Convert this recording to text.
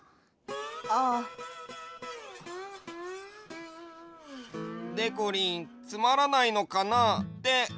ああ。でこりんつまらないのかな？っておもわれちゃうかもね。